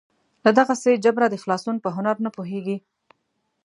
له دغسې جبره د خلاصون په هنر نه پوهېږي.